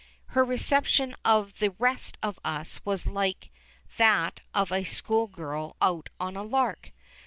Her reception of the rest of us was like that of a school girl out on a lark.